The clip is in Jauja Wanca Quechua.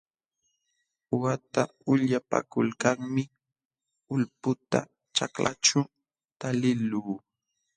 Uqata ulyapakuykalmi ulputa ćhaklaćhu taliqluu.